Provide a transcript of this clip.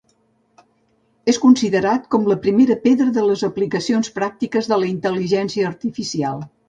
És considerat com la primera pedra de les aplicacions pràctiques de la intel·ligència artificial.